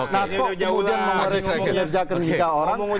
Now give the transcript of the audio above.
nah kok kemudian memanjakan tiga orang